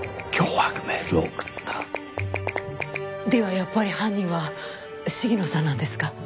やっぱり犯人は鴫野さんなんですか？